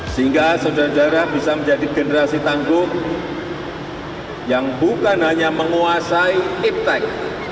sehingga saudara saudara bisa menjadi generasi tangguh yang bukan hanya menguasai iptek